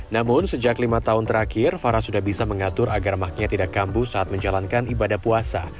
namun sejak lima tahun terakhir farah sudah bisa mengatur agar maknya tidak kambuh saat menjalankan ibadah puasa